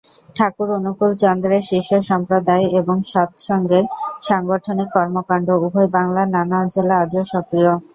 ঠাকুর অনুকূলচন্দ্রের শিষ্যসম্প্রদায় এবং সৎসঙ্গের সাংগঠনিক কর্মকান্ড উভয় বাংলার নানা অঞ্চলে আজও সক্রিয়।